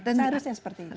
seharusnya seperti itu